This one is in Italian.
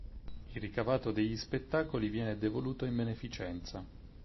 Il ricavato degli spettacoli viene devoluto in beneficenza.